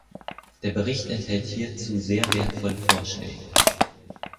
Der Bericht enthält hierzu sehr wertvolle Vorschläge.